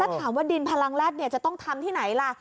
ถามว่าดินพลังแร็ดจะต้องทำที่ไหนล่ะ